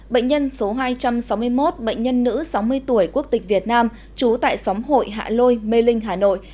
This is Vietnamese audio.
bệnh nhân số hai trăm sáu mươi một bệnh nhân nữ sáu mươi tuổi quốc tịch việt nam trú tại xóm hội hạ lôi mê linh hà nội